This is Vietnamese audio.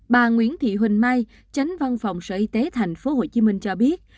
bà nguyễn thị huỳnh mai chánh văn phòng sở y tế tp hcm cho biết